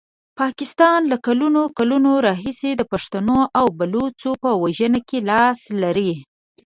پاکستان له کلونو کلونو راهیسي د پښتنو او بلوڅو په وژنه کې لاس لري.